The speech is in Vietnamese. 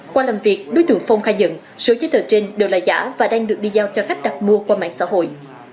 qua làm việc đối tượng phong khai nhận số giấy tờ trên đều là giả và đang được đi giao cho khách đặt mua qua mạng xã hội